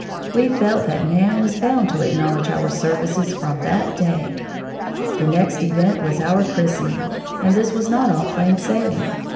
We felt that man was bound to acknowledge our services from that day. The next event was our christening, and this was not all plain sailing.